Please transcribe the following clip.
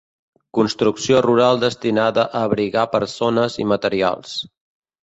Construcció rural destinada a abrigar persones i materials.